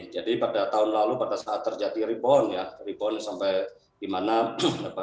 jadi pada tahun lalu pada saat terjadi ribon ya ribon sampai dimana bapak